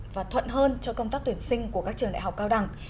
và thuận hơn cho công tác tuyển sinh của các trường đại học cao đẳng